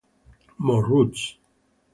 Mo' Roots